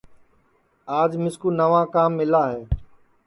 آج مِسکُو نئوا کام مِلا ہے